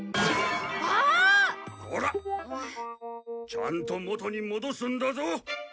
ちゃんと元に戻すんだぞ。